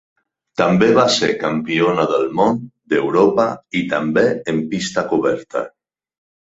També va ser campiona del món, d'Europa i també en pista coberta.